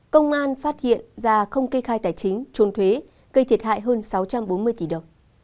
công an phát hiện già không kê khai tài chính trốn thuế gây thiệt hại hơn sáu trăm bốn mươi tỷ đồng